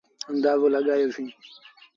اندآزو لڳآيو سيٚݩ۔